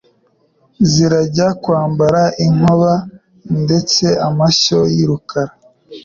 Zirajya kwambara inkoba; Ndebe amashyo y'i Rukara